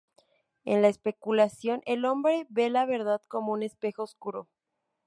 En la especulación el hombre ve la verdad como en un espejo oscuro.